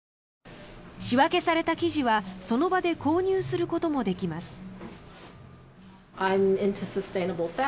仕分けされた生地は、その場で購入することもできます。